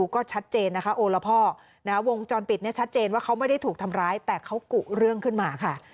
ก็ชัดเจนนะคะโอละพ่อวงจรปิดเนี่ยชัดเจนว่าเขาไม่ได้ถูกทำร้ายแต่เขากุเรื่องขึ้นมาค่ะ